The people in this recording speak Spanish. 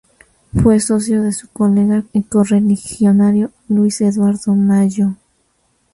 Fue socio de su colega y correligionario Luis Eduardo Mallo.